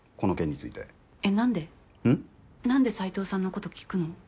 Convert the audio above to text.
何で斎藤さんのこと聞くの？